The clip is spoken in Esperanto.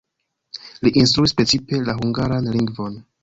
Li instruis precipe la hungaran lingvon.